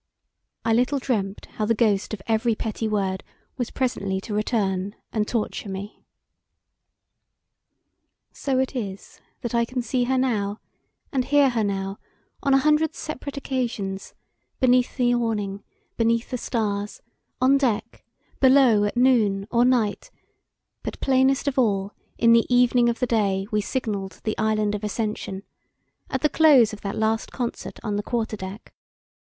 I little dreamt how the ghost of every petty word was presently to return and torture me. So it is that I can see her and hear her now on a hundred separate occasions beneath the awning beneath the stars on deck below at noon or night but plainest of all in the evening of the day we signalled the Island of Ascension, at the close of that last concert on the quarter deck.